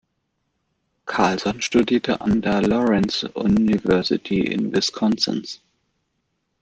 Carlson studierte an der Lawrence University in Wisconsin.